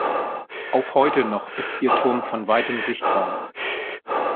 Auch heute noch ist ihr Turm von weitem sichtbar.